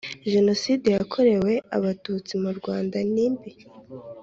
jenoside yakorewe Abatutsi mu rwanda nimbi